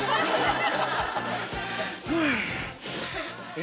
え？